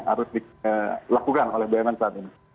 harus dilakukan oleh bumn saat ini